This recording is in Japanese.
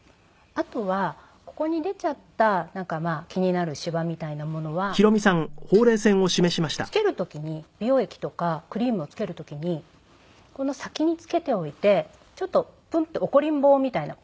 あとはここに出ちゃったなんかまあ気になるしわみたいなものはつける時に美容液とかクリームをつける時にこの先につけておいてちょっとプンって怒りん坊みたいな。